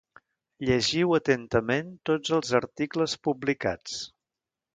Llegiu atentament tots els articles publicats.